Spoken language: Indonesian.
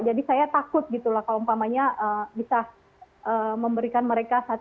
jadi saya takut gitu lah kalau umpamanya bisa memberikan mereka